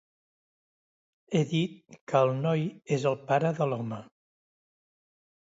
He dit que el noi és el pare de l'home.